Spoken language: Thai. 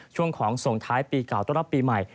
ช่วงของส่งท้ายปีเก่าต้อนรับปีใหม่